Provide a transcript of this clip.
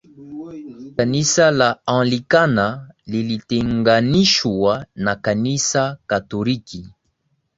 kanisa la anlikana lilitenganishwa na kanisa katoriki